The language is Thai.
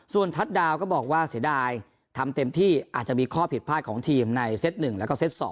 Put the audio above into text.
ส่วนทัศน์ดาวก็บอกว่าเสียดายทำเต็มที่อาจจะมีข้อผิดพลาดของทีมในเซต๑แล้วก็เซต๒